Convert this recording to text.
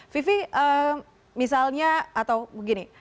vivi misalnya atau begini